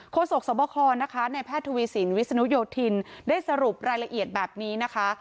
โศกสวบคนะคะในแพทย์ทวีสินวิศนุโยธินได้สรุปรายละเอียดแบบนี้นะคะ